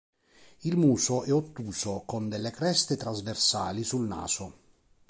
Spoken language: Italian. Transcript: Il muso è ottuso con delle creste trasversali sul naso.